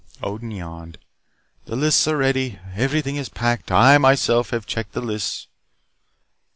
Odin yawned. "The lists are ready. Everything is packed. I, myself, have checked the lists."